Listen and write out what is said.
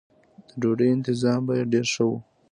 د ډوډۍ انتظام به یې ډېر ښه و.